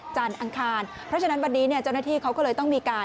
อังคารเพราะฉะนั้นวันนี้เนี่ยเจ้าหน้าที่เขาก็เลยต้องมีการ